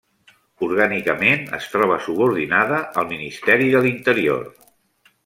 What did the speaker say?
Orgànicament, es troba subordinada al Ministeri de l'Interior.